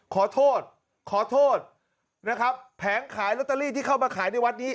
ขอโทษขอโทษนะครับแผงขายลอตเตอรี่ที่เข้ามาขายในวัดนี้